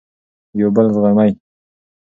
یو بل زغمئ.